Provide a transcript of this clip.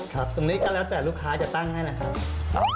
ตรงนี้ก็แล้วแต่ลูกค้าจะตั้งให้นะครับ